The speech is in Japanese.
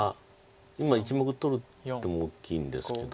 今１目取る手も大きいんですけど。